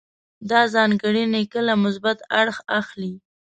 دا ځانګړنې کله مثبت اړخ اخلي.